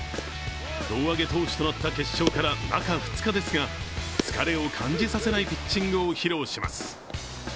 胴上げ投手となった決勝から中２日ですが疲れを感じさせないピッチングを披露します。